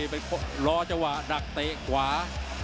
เป็นรอเจาะดักเตะขวา